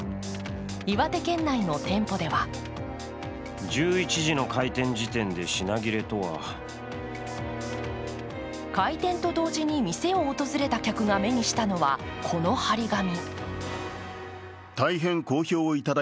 岩手県内の店舗では開店と同時に店を訪れた客が目にしたのは、この貼り紙。